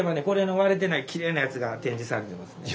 これの割れてないきれいなやつが展示されてます。